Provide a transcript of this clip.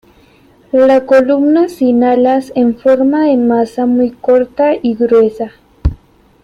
La columna sin alas, en forma de maza, muy corta y gruesa.